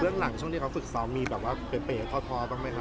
หลังช่วงที่เขาฝึกซ้อมมีแบบว่าเป๋ท้อบ้างไหมคะ